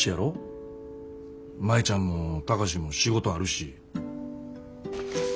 舞ちゃんも貴司も仕事あるし。